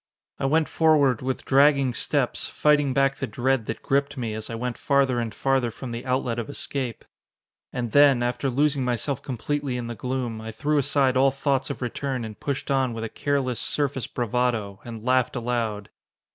I went forward with dragging steps, fighting back the dread that gripped me as I went farther and farther from the outlet of escape. And then, after losing myself completely in the gloom, I threw aside all thoughts of return and pushed on with a careless, surface bravado, and laughed aloud.